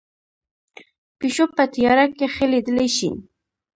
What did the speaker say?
پیشو په تیاره کې ښه لیدلی شي